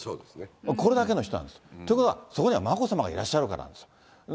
これだけの人なんです。ということはそこには眞子さまがいらっしゃるからなんですよ。